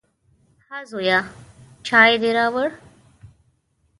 _ها زويه، چای دې راووړ؟